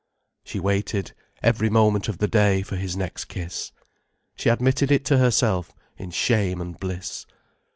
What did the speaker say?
She waited, every moment of the day, for his next kiss. She admitted it to herself in shame and bliss.